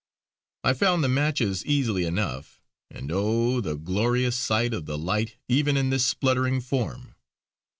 I found the matches easily enough and oh! the glorious sight of the light even in this spluttering form.